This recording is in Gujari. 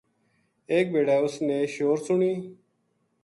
ایک بِڑے اس نے شور سنی